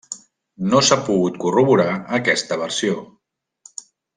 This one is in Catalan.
No s'ha pogut corroborar aquesta versió.